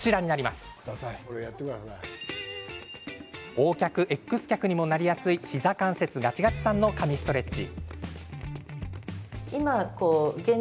Ｏ脚、Ｘ脚にもなりやすい膝関節ガチガチさんの神ストレッチ。